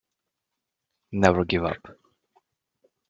Never give up.